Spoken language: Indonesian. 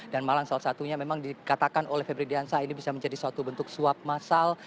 dan malang salah satunya memang dikatakan oleh febri diansah ini bisa menjadi suatu bentuk suap masal